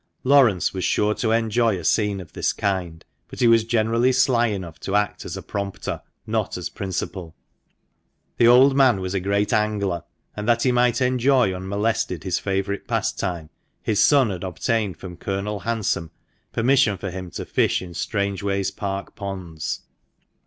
Laurence was sure to enjoy a scene of this kind, but he was generally sly enough to act as prompter, not as principal. The old man was a great angler; and that he might enjoy unmolested his favourite pastime, his son had obtained from Colonel Hansom permission for him to fish in Strangeways Park ponds.